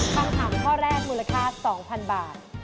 ปังหังข้อแรกมูลค่า๒๐๐๐บาท